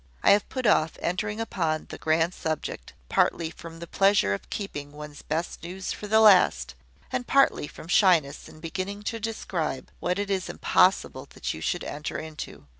I have put off entering upon the grand subject, partly from the pleasure of keeping one's best news for the last, and partly from shyness in beginning to describe what it is impossible that you should enter into.